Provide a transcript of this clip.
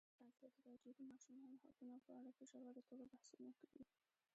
ازادي راډیو د د ماشومانو حقونه په اړه په ژوره توګه بحثونه کړي.